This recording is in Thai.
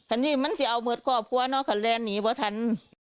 อันนี้มันจะเอาเมิดขอบความขาดแรงหนีไปทัน